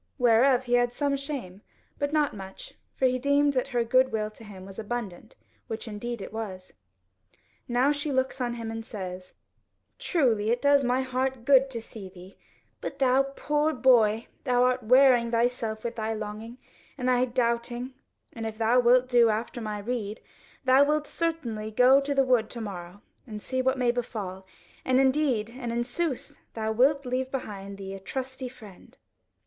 Whereof he had some shame, but not much, for he deemed that her goodwill to him was abundant, which indeed it was. Now she looks on him and says: "Truly it does my heart good to see thee: but thou poor boy, thou art wearing thyself with thy longing, and thy doubting, and if thou wilt do after my rede, thou wilt certainly go into the wood to morrow and see what may befall; and indeed and in sooth thou wilt leave behind thee a trusty friend."